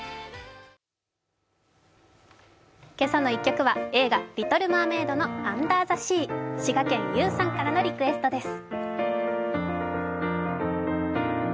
「けさの１曲」は映画「リトル・マーメイド」の「アンダー・ザ・シー」滋賀県ゆうさんからのリクエストです。